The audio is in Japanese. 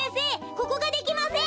ここができません！